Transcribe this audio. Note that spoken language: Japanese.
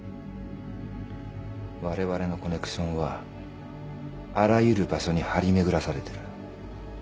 われわれのコネクションはあらゆる場所に張り巡らされてる。